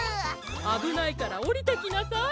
あぶないからおりてきなさい。